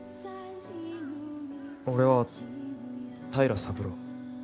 俺は平良三郎。